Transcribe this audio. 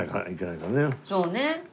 そうね。